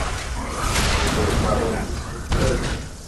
Yidir la yeqqar adlis n tmaziƔt.